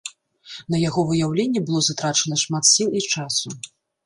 На яго выяўленне было затрачана шмат сіл і часу.